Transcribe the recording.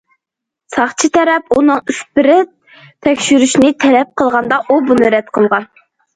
ساقچى تەرەپ ئۇنىڭ ئىسپىرت تەكشۈرۈشىنى تەلەپ قىلغاندا ئۇ بۇنى رەت قىلغان.